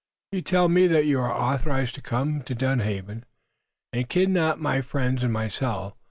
You tell me that you are authorized to come to Dunhaven and kidnap my friends and myself.